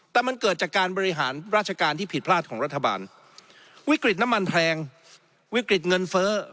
แต่มันเกิดจากการบริหารราชการที่ผิดพลาดของรัฐบาลวิกฤตน้ำมันแพงวิกฤตเงินเฟ้อ